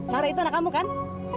marah itu anak kamu kan